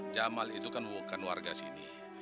jamal itu kan bukan warga sini